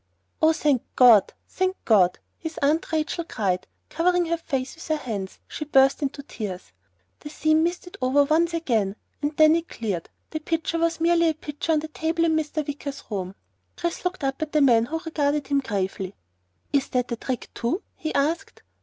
"Oh, thank God! Thank God!" his Aunt Rachel cried, and covering her face with her hands, she burst into tears. The scene misted over once again and when it cleared, the pitcher was merely a pitcher on a table in Mr. Wicker's room. Chris looked up at the man who regarded him gravely. "Is that a trick too?" he asked.